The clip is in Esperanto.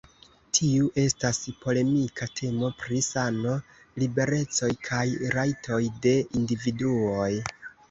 Tiu estas polemika temo pri sano, liberecoj kaj rajtoj de individuoj.